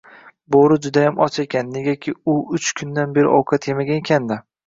Boʻri judayam och ekan, negaki u uch kundan beri ovqat yemagan ekan-da